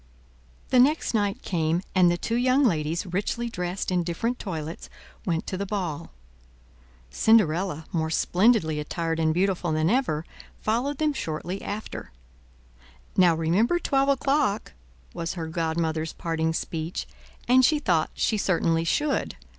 The next night came, and the two young ladies, richly dressed in different toilets, went to the ball. Cinderella, more splendidly attired and beautiful than ever, followed them shortly after. "Now remember twelve o'clock," was her godmother's parting speech; and she thought she certainly should.